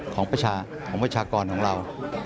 ของประชากรของเรา